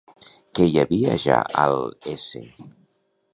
Què hi havia ja al s.